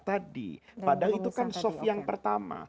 tadi padahal itu kan soft yang pertama